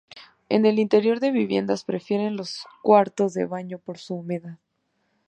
En el interior de viviendas prefieren los cuartos de baño por su humedad.